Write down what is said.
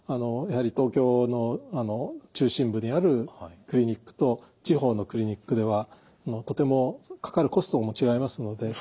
やはり東京の中心部にあるクリニックと地方のクリニックではとてもかかるコストも違いますので。